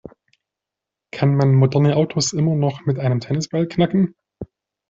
Kann man moderne Autos immer noch mit einem Tennisball knacken?